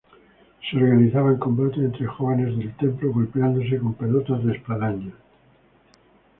Se organizaban combates entre jóvenes del templo golpeándose con pelotas de espadañas.